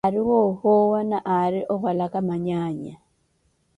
Aari woohowa na aari owalaka manyaanya.